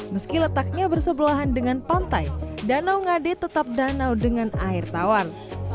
meski letaknya bersebelahan dengan pantai danau ngade tetap danau dengan air tawar